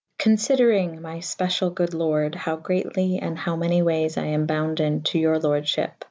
Confyderyng my fpecyall good lorde howe greatly and how many wayes I am bounden to your lordefhippe.